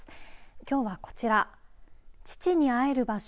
きょうはこちら父に会える場所